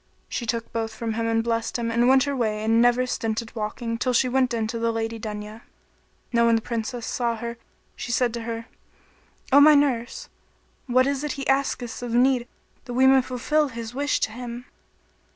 She took both from him and blessed him and went her way and never stinted walking till she went in to the Lady Dunya. Now when the Princess saw her she said to her, "O my nurse, what is it he asketh of need that we may fulfil his wish to him?"